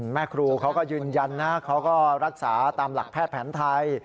แม่ครูเขาก็ยืนยันนะเขาก็รักษาตามหลักแพทย์แผนไทย